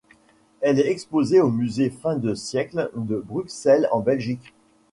Elle est exposée au musée Fin de siècle de Bruxelles en Belgique.